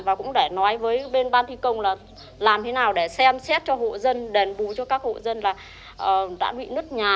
và cũng để nói với bên ban thi công là làm thế nào để xem xét cho hộ dân đền bù cho các hộ dân là đã bị nứt nhà